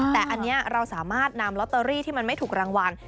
แต่อันนี้เราสามารถนำลอตเตอรี่ที่มันไม่ถูกรางวัล